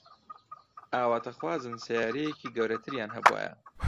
ئاواتەخوازن سەیارەیەکی گەورەتریان هەبوایە.